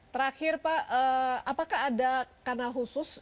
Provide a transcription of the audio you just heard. terakhir pak apakah ada kanal khusus